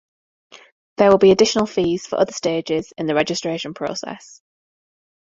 There will be additional fees for other stages in the registration process.